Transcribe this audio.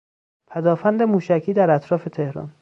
پدآفند موشکی در اطراف تهران